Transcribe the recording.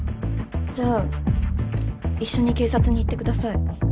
じゃあ一緒に警察に行ってください。